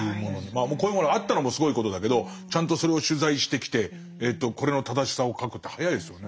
こういうものがあったのもすごいことだけどちゃんとそれを取材してきてこれの正しさを書くって早いですよね。